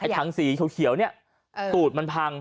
ถังสีเขียวนี่ตูดมันพัง